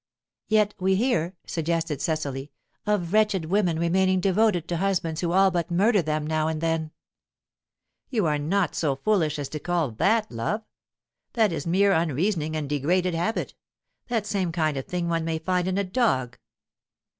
"Yet we hear," suggested Cecily, "of wretched women remaining devoted to husbands who all but murder them now and then." "You are not so foolish as to call that love! That is mere unreasoning and degraded habit the same kind of thing one may find in a dog."